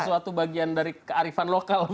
suatu bagian dari kearifan lokal